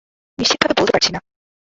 নিশ্চিতভাবে বলতে পারছি না।